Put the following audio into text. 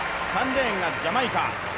３レーンがジャマイカ。